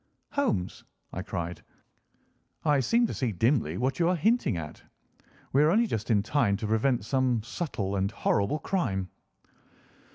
"Holmes," I cried, "I seem to see dimly what you are hinting at. We are only just in time to prevent some subtle and horrible crime."